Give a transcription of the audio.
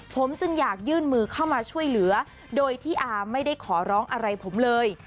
ผมจึงอยากยื่นมือเข้ามาช่วยเหลือโดยที่อาไม่ได้ขอร้องอะไรผมเลย